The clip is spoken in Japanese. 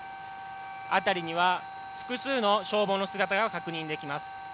辺りには複数の消防の姿が確認できます。